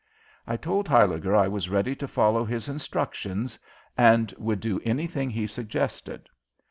I told Huyliger I was ready to follow his instructions and would do anything he suggested.